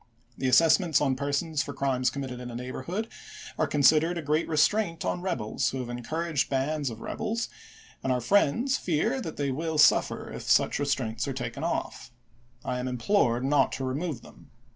The assessments on persons for crimes committed in a neighborhood are considered a great re straint on rebels who have encouraged bands of rebels, and our friends fear that they wiU suffer if such restraints are taken off. I am implored not to remove them.